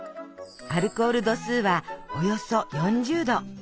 アルコール度数はおよそ４０度！